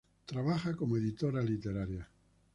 Trabaja como editora literaria.